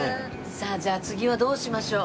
さあじゃあ次はどうしましょう？